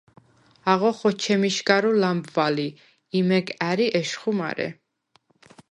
აღო ხოჩემიშგარუ ლამბვალ ი, იმეგ ა̈რი ეშხუ მარე.